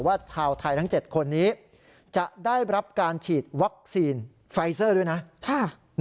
ชาวไทยทั้ง๗คนนี้จะได้รับการฉีดวัคซีนไฟเซอร์ด้วยนะ